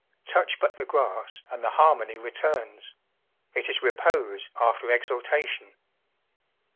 Touch but the grass and the harmony returns; it is repose after exaltation.